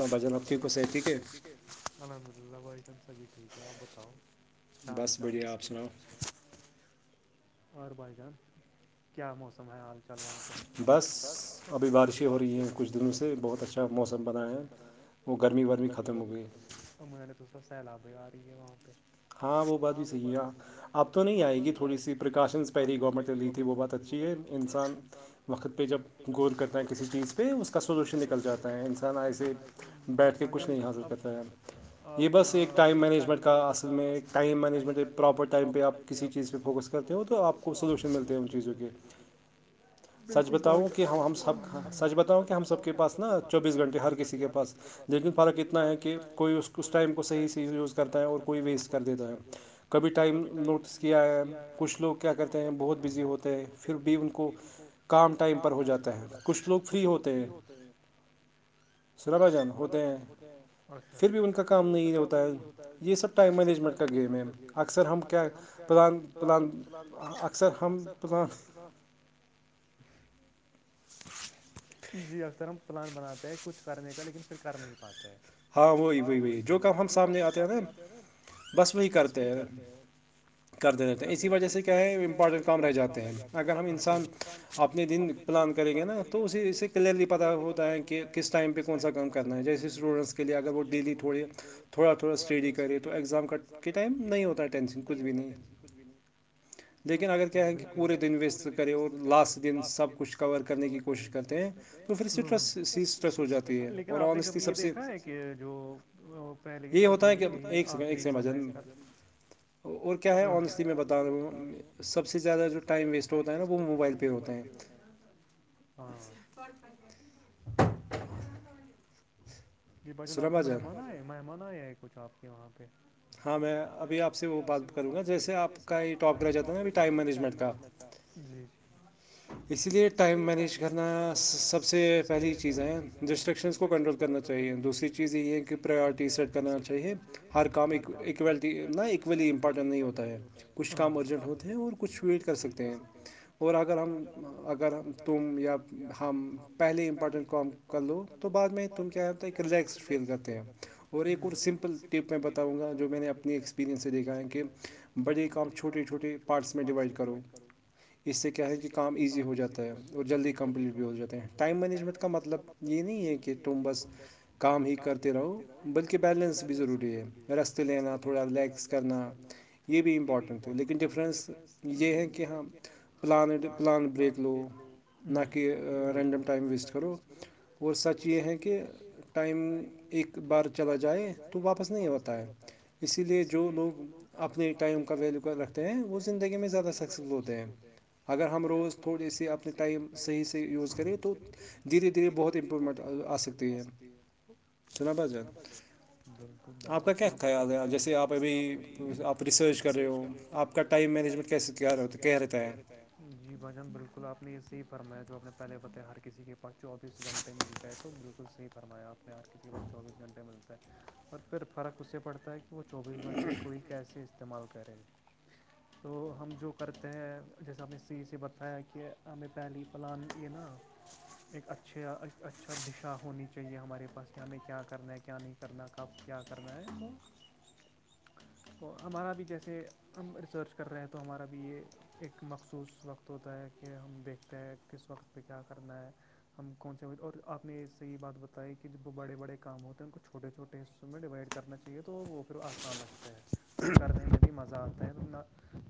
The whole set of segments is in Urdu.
الحمد للہ وعلیکم سحبھی ٹھیک ہے آپ بتاؤ چ حال چال بس بھے آپ سنا اور بھائی جان کیا موسم ہے حال چال وہاں کا بس ابھی بارشیں ہو رہی ہیں کچھ دنوں سے بہت اچھا موسم بنا ہے گرمی رمی ختم ہوئی ا مے تو سب سیلابیں آ رہی ہے وہاں پہ ہاں وہ بات ہی سی گ اب تو نہیں آئے گی پولییسی پکاشنز پہ گنٹ د دیتھ بات چیز انسان وقت پک اپپ گول کرتا ہے کسی چیز پہ اس کا سولوشن نکل جاتا ہے انسان ایسے کچھ بس ایک ٹائم م میں ٹائم مینجمنٹ پراپر ٹائم پہ آپ کسی چیز ش کرتے ہو تو آپ کو سلوشن ملتے ان کیز بالکل سچ بتاؤ کہ ہم سب کے پاس نا چوبیس گھنٹے ہر کسی کے پاس لیکن فرق اتنا ہے کہ کوئی اس ٹائم کو صحیح سیز اس ٹائم ہے اور کوئی ویسٹ کر دیتا ہے کبھی ٹائم نوٹس کیا ہے کچھ لوگ کیا کہتے ہیں بہت بزی ہوتے ہیں صر بھی ان کو کام ٹائم پر ہو جاتا ہے کچھ لوگ فری ہوتے ہیں ہاں سربھا جان ہوتے ہیں پھر بھی ان کا کام نہیں ہوتا ہے یہ سب ٹائم مینجمنٹ کا گیم ہے اکثر ہم کیا پلان پلان اکثر ہم پلان جی اکثر ہم پلان بناتے ہیں کچھ کرنے کا لیکن پھر کر نہیں پاتے ہے ہاں وہی وہی وہی جو کام ہم سامنے آتے ہیں بس وہی کرتے ہیں کرتے رہتے ہیں اسی وجہ سے کیا ہے امپورٹنٹ کام رہ جاتے ہیں اگر انسان اپنے دن پلان کریں گے نا تو اسی سے کلیئرلی پت ہوتا ہے کہ کس ٹائم پہ کون سا کام کرنا ہے جیسے ور کے لیے اگر وہ دلی پڑے تھوڑا تھوڑا اسٹڈی کرے تو ایگزام کا کت نہیں ہوتا ہے ٹینشن کچھ بھی نہیں اچ لیکن اگر پوری دنی کر لاس د سب کچھ [unintelligible] کور کرنے کی کوشش کرتے ہیں لیکن آپ نے کبھی یہ دیکھا ہے کہ جو پہل جو آخری دنوں میں کر کیا ہے میں بتا رہا ہوں سب سے زیادہ جو ٹائم ویسٹ ہوتا ہے نا وہ موبائل پ ہوت ہے [unintelligible] [inaudible] جی بھچان آپ کو مہمان آئے مہمان آیا ہے کچھ آپ کے وہاں پہ [unintelligible] ہاں میں ابھی آپ سے وہ بات کروں گا جیسے آپ کا یہ ٹاک رہ جاتا ہیں ابھی ٹائم مینجمنٹ کا جی جی اسی لیے ٹائم مینیج کرنا سب سے پہلی چیزیں رسٹرکشنس کو کنٹرول کرنا چاہیے دوسری چیز یہ کہ پرائورٹی سیٹ کرنا چاہیے ہر کاموکیل نہ اولی امپورٹنٹ نہیں ہوتا ہے کچھ کام ارجنٹ ہوتے ہیں اور کچھ ویٹ کر سکتے ہیں تو اور اگر ہم اگر ہم تم یا ہم پہلے امپارٹنٹ کام کر لو تو بعد میں تم کیاتے ریلیکس فیل کرتے ہیں اور ایک اور سمپل ٹپ میں بتاؤں گا جو میں نے اپنی ایکسپیریئنس سے دیکھا ہے کہ بڑے کام چھوٹے چھوٹے پارٹس میں ڈیوائڈ کرو اس سے کیا ہے کہ کام ایزی ہو جاتا ہے اور جلدی کمپلیٹ بھی ہو جاتے ہیں ٹائم مینجمنٹ کا مطلب یہ نہیں ہے کہ کہ تمبس [unintelligible] کام ہی کرتے رہو بلکہ بیلنس بھی ضروری ہے رستے لینا تھوڑا رلیکس کرنا یہ بھی امپورٹنٹ ہے لیکن ڈفرینس یہ ہے کہ ہاں پلانٹ پلانگ بریک لو نہ کہ رینڈم ٹائم ویسٹ کرو وہ سچ یہ ہے کہ ٹائم [unintelligible] ایک بار چلا جائے تو واپس نہیں ہوتا ہے اسی لیے جو لوگ اپ اپنی ٹائم کا ویلو کر رکھتے ہیں وہ زندگی میں زیادہ سکسیزفل ہوتے ہیں اگر ہم ہم روز تھوڑے سے اپنے ٹائم صحیح سے یوز کریں تو دھیرے دھیرے بہت امپرومنٹ آ سکتی ہے [inaudible] [inaudible] سنا بالکل بالکل آپ کا کیا خیال ہے جیسے آپ ابھی آپ ریسرچ کر رہے ہووں آپ کا ٹائم مینجمنٹ کیسے کہہ رہتا ہے جی بھجان بالکل آپ نے اس [unintelligible] صحی فرمایا جو آپ نے پہلے بتایا ہر کسی کے پاس چوبیس گھنٹے ملتا ہے تو بالکل صحی فرمایا آپ اور کسی کے بعد چوبیس گھنٹے میں ملتا ہے اور پھر فرق اس سے پڑتا ہے کہ وہ چوبیس گھنٹے کوئی کیسے استعمال کرے [inaudible] تو ہم جو کرتے ہیں جیسے ہمپ نے سی سے بتایا کہ ہمیں پہلی پلان یہ نا ایک اچھے ایک اچھا دشا ہونی چاہیے ہمارے پس ہمیں کیا کرنا ہے کیا نہیں کرنا کب کیا کرنا ہے تو [inaudible] تو ہمارا بھی جیسے ہم ریسرچ کر رہے ہیں تو ہمارا بھی یہ ایک مخصوص وقت ہوتا ہے کہ ہم دیکھتے ہیں کس وقت پہ کیا کرنا ہے ہم کون سے ہو اور آپ نے صحیح بات بتائی کہ وہ بڑے بڑے کام ہوتے ہیں ان کو چوٹے چھوٹے حصوں میں ڈیوائڈ کرنا چاہیے تو وہ پھر آسان لگتا ہے اور کرنے میں بھی مزہ آتا ہے اتنا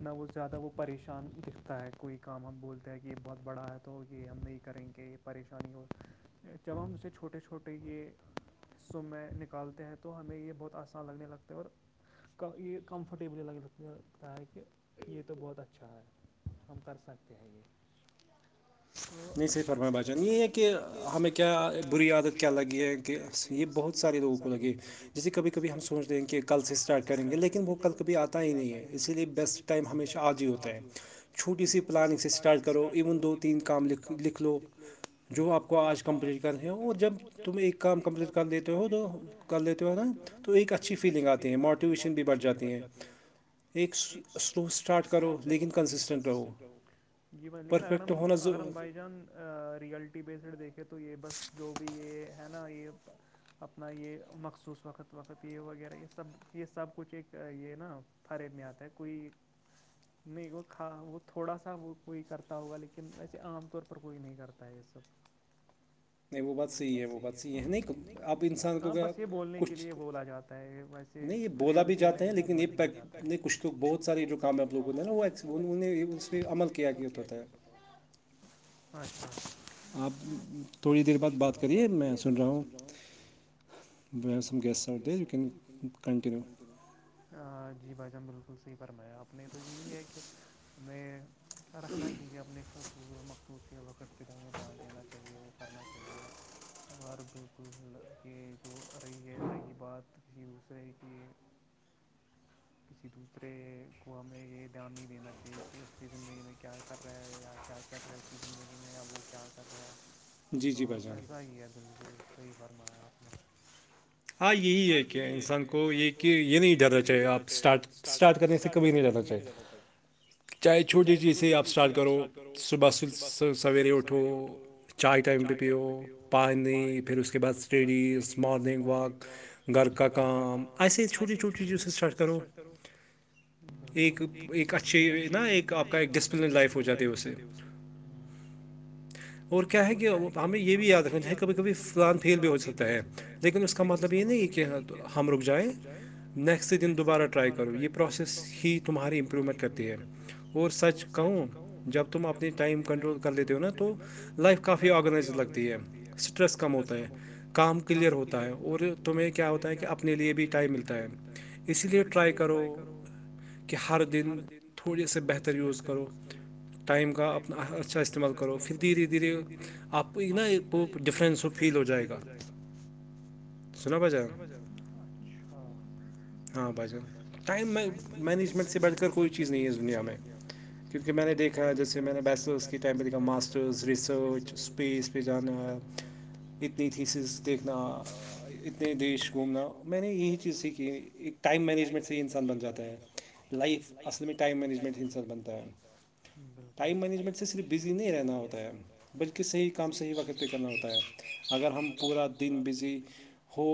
نہ وہ زیادہ وہ پریشان دکھتا ہے کوئی کام ہم بولتے ہیں کہ یہ بہت بڑا ہے تو یہ ہم نہیں کریں گے پریشانی ہو جب ہم اسے چھوٹے چھوٹے یہ سو میں نکالتے ہیں تو ہمیں یہ بہت آسان لگنے لگتا ہے اور یہ کمفرٹیبلی لگ لگتا ہے کہ یہ تو بہت اچھا ہے ہم کر سکتے ہیں یہ نہیں صی فرما با چان یہ ہے کہ ہمیں کیا بری عدت کیا لگے ہے کہ یہ بہت سارے لوگوں کو لگے جیسے کبھی کبھی ہم سوچ رہے ہیں کہ کل سے اسٹارٹ کریں گے لیکن وہ کل کبھی آتا ہی نہیں ہے اسی لیے بیسٹ ٹائم ہمیشہ آج ہی ہوتا ہے چھوٹی سی پلاننگ سے اسٹارٹ کرو ایون دو تین کام لکھو لکھ لو جو آپ کو آج کمپلیٹ کرنے ہیں وہ جب تم ایک کام کمپلیٹ کر لیتے ہو تو کر لیتے ہو نا تو ایک اچھی فیلنگ آتی ہے ماڈ موٹیویشن بھی بڑھ جاتی ہیں ایک سلو اسٹارٹ کرو لیکن کنسسٹنٹ رہو جی بس لیکن اگر ہم اگر ہم بائی چانس رئلٹی بیسڈ دیکھیں تو یہ بس جو بھی یہ ہے نا یہ اپنا یہ مخصوص وقت وقت یہ وغیرہ یہ سب یہ سب کچھ ایک یہ نا ہرےمیات ہے کوئی نہیں وہ کا وہ تھوڑا سا وہ کوئی کرتا ہوگا لیکن ویسے عام طور پر کوئی نہیں کرتا ہے یہ سب وہ ب صحیح ہے وہ ب ص ہے ہاں بس یہ بولنے کے لیے بولا جاتا ہے ویسے کچھ تو بہت ساری کاگ [inaudible] اچھا تھوڑی دیر بعد بات کریے میں سن رہا ہوں گیس د لیکننڈ جی بھائی جان بالکل صحیح فرمایا آپ نے تو یہی ہے کہ میں رکھنا چاہیے اپنے خص مخصوص سے وقت پیں دھیان دینا چاہیے وہ کرنا چ جیے اور بالکل یہ جو رہ رہی ہے رہی بات کسی دورے کہ [inaudible] کسی دوسرے کو ہمیں یہ دھیان نہیں دینا چاہیے کہ اس کی زندگی میں کیا کر رہے ہے یا کیا چ کر رہے اس کی زندگی میں یا وہ کیا کر رہا ہے تو ایسا ہی ہے بالکل صحیح فرمایا آپ نے ہاں یہی ہے کہ انسان کو یہ کہ یہ نہیں جانا چاہیے آپ اسٹارٹ اسٹارٹ کرنے سے کبھی نہیں جانا چاہتے [inaudible] چاہے چھوٹی چیز سے آپ اسٹارٹ کرو صبح سویرے اٹھو چائے ٹائم پہ پیو پانی پھر اس کے بعد اسٹڈیز مارننگ گ واک گھر کا کا ایسے چھوٹی چھوٹی چیز س کات کرو ایک اچھی نا ایک آپ کا ایک ڈسپلن لائف ہو جاتی ہے اس سے اور کیا ہے کہ ہمیں یہ بھی یاد رکھنا ہے کبھی کبھی فلان تیل بھی ہو سکتا ہےیک مس کا مطلب یہ نا یہ کہ ح ہمرق جائ نیکسٹ س د دوبارہ رائی کر یہ پرسیس ہییٹ تمپرنٹ کرتی ہے اور سچ کہ جب تم اپنے ٹائم کنٹرول کر دیتے ہو نا تو لائف کافی آرگائز لگتی ہے اسٹریس کم ہوتا ہے کام کلیئر ہوتا ہوتا اور تمہیں کیا ہوتا ہے کہ اپنے لیے بھی ٹائم ملتا ہے اسی لیے ٹرائی کرو کہ ہر دن تھوڑی سے بہتر یوز کرو ائم کا اھا استعمال کر دھیرے دھیرے آپ کو ہی نا ایک ب ڈفرینس فیل ہو جائے گا سنا بازار اچھا ہاں بھائی جان ٹائم مینجمنٹ سے بیٹھ کر کوئی چیز نہیں ہے اس دنیا میں کیونکہ میں نے دیکھا جیسے میں نے بیسلرس کےٹائم پ دیکھا ماسٹرز ریس سرچ اسپیس پہانا اتنی تھیسس دیکھنا اتنے دیش گھومنا میں نے یہی چیز سیکھی ایک ٹائم مینجمنٹ سے ہی انسان بن جاتا ہے لائف اصل پ ائم مینیجمنٹ کے انسان بنتا ہے ٹائم مینجمنٹ سے صرف بزی نہیں رہنا ہوتا ہے بلکہ صحیح کام صحیح وقت پہ کرنا ہوتا ہے اگر ہم پورا دن بزی ہو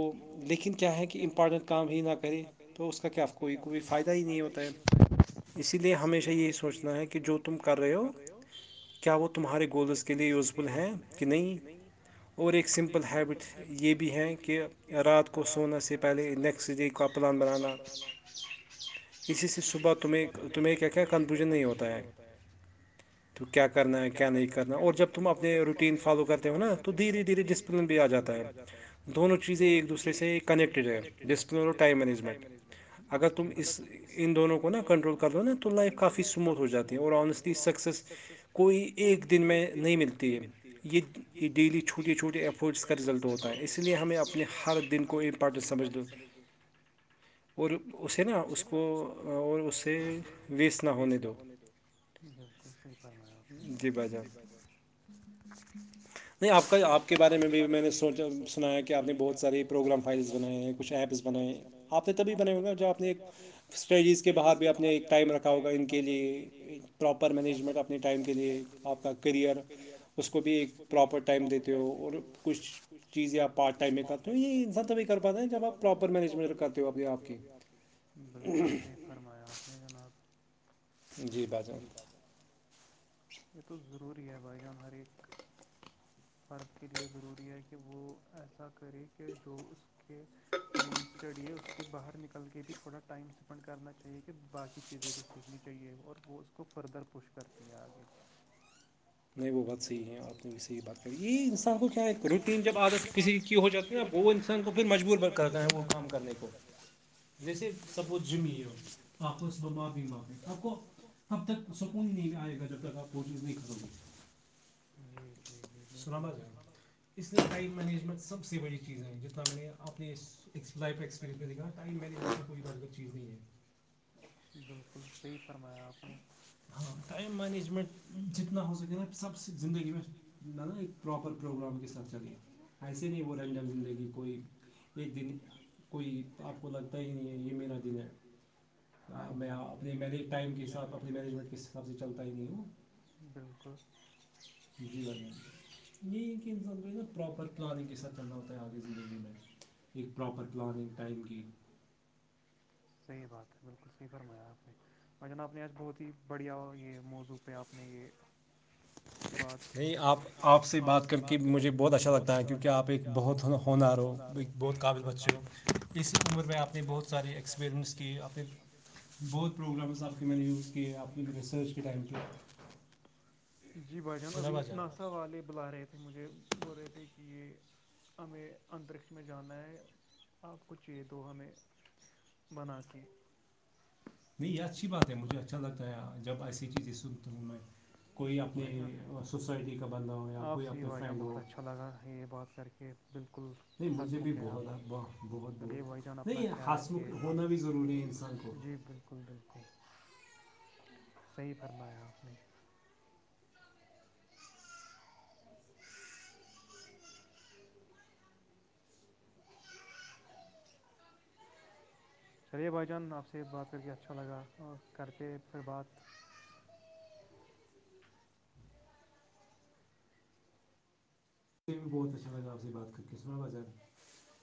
لیکن کیا ہے کہ امپارٹنٹ کام ہی نہ کریں تو اس کا کیاپ کوئی کوئی فائدہ ہی نہیں ہوتا ہے اسی لیے ہمیشہ یہ سوچنا ہے کہ جو تم کر رہے ہو کیا وہ تمہارے گولز کے لیے یوزفل ہیں کہ نہیں اور ایک سمپل ہیبٹ یہ بھی ہیں کہ رات کو سونا سے پہلے نیکسٹ ڈے کپل برانا اسی سے صبح تمہیں تمہیں کیا کیا کنفیوژن نہیں ہوتا ہے تو کیا کرنا ہے کیا نہیں کرنا اور جب تم اپنے روٹین فالو کرتے ہو نا تو دھیرے دھیرے ڈسپلن بھی آ جاتا ہے تو دونوں چیزیں ایک دوسے سے کنیکٹڈ ہے ڈسپل اور ٹائپ مینجمنٹ اگر تم اس ان دونوں کو نا کنٹرول کر لو نا تو لائف کافی سو اسموتھ ہو جاتے ہیں اور آنیسٹلی سکسیس کوئی ایک دن میں نہیں ملتی ہے یہ یہ ڈیلی چھوٹے چھوٹے ایفرٹس کا رزلٹ ہوتا ہے اسی لیے ہمیں اپنے ہر دن کو امپورٹنٹ سمجھ ل اور اسے نا اس کو اور اس سے ویسٹ نہ ہونے دو بالکل صحیح فرمایا آپ نے جی بائی ی بازا نہیں آپ کا آپ کے بارے میں بھی میں نے سوچا سنایا کہ آپ نے بہت سارے پروگرام فائلس بنے ہیں کچھ ایپس بنے ہیں آپ نے تبھی بنے ہوگا جو آپ نے ایک اسٹریٹجیز کے باہر بھی آ نے ایک ٹائم رکھا ہوگا ان کے لیے پراپر مینجمنٹ اپنے ٹائم کی آپ کا کریئر اس کو بھی ایک پراپر ٹائم دیتے ہو اور کچ چیز یا پارٹ ٹائم میں کا تو یہ سب توبھی کر پاتا جب آپ پراپر بالکل صحی فرمایا آپ نے جناب جی ب جؤ یہ تو ضروری ہے بھائی جان ہر ایک فرد کے لیے ضروری ہے کہ وہ ایسا کرے کہ جو اس کے مین اسٹڈی ہے اس کے باہر نکل کے بھی تھوڑا ٹائم اسپینڈ کرنا چاہیے کہ باقی چیزیں بھی سیکھنی چاہیے اور وہ اس کو فردر پوش کرتی ہیں آگے نہیں وہ بات صحیح ہے آپ نے اس سےح بات کری یہ انسان کو کیا ہے روٹین جب آ جت کسی کی ہو جاتی ہے وہ انسان کو پھر مجبور بر کرتا ہے وہ کام کرنے کو جیسے سبوز جمع ہو آپب م معافی معاف آب اب تک سکون ہی نہیں آئے گا جب تک آپ وہ چیز نہیں ختمے سلام عم اس لیے ٹائم مینجمنٹ سب سے بڑی چیزیں ہیں جتنا میں نے اپ لائف میں ایکسپرینس دکھا ٹائ میں نے یہاں سے کوئی بٹھ کر چیز نہیں ہے بالکل صحیح فرمایا ہاں ٹائم مینجمنٹ جتنا ہو سکے ن سب زندگی میں ن پروپر پروگرامک طات چلے ایسے نہیں بلاے ان جب زندگی کوئی ایک دن کوئی آپ کو لگتا ہی نہیں ہے یہ میرا دن ہے میں اپنےج ٹائم کے حساب اپنے مینجمنٹ کس حساب سے چلتا ہی نہیں ہوں بالکل جی یہ ہے کہ انسان کو نا پراپر پلاننگ کے ساتھ چنا ہوتا آ زندگی میں ایک پراپر پلاننگ ٹائم کی صحیح بات ہے بالکل صحیح فرمایا آپ نے ب جانا آپ نے آج بہت ہی بڑھیا یہ موضوع پہ آپ نے یہ بات نہیں آپ آپ سے بات کر کے مجھے بہت اچھا لگتا ہے کیونکہ آپ ایک بہت ہونار ہو بہت کاابل بچے ہیں اس عمر میں آپ نے بہت سارے [unintelligible] جی بھائی جان ابھی ناسا والے بلا رہے تھے مجھے بول رہے تھے کہ یہ ہمیں انترکش میں جانا ہے آپ کو چاہے دو ہمیں بنا کےہ نہیں یہ اچھی بات ہے مجھے اچھا لگتا ہے جب ایسی چیزیں سنتا ہوں میں کوئی اپنے سوسائٹی کا بند ہ آپ سے یہ بجہ بہت اچھا لگا یہ بات کر کے بالکل ہنس مک ہیں آپ چلیے بھائی جان اپنا خیال رکھیے جی بالکل بالکل بالکل صحیح فرمایا آپ نے چلیے بھائی جان آپ سے بات کر کے اچھا لگا اور کر پہ پھر بات بھی بہت اچھا لاپ سے بات کر کے سنا بازر